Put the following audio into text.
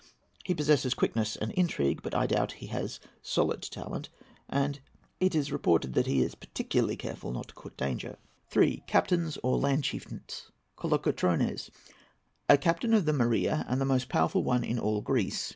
He possesses quickness and intrigue; but I doubt if he has solid talent, and it is reported that he is particularly careful not to court danger. III. Captains or Land Chieftains. KOLOKOTRONES.—A captain of the Morea, and the most powerful one in all Greece.